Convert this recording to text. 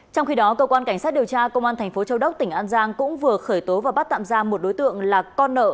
trong khi đó cơ quan cảnh sát điều tra công an thành phố châu đốc tỉnh an giang cũng vừa khởi tố và bắt tạm giam một đối tượng là con nợ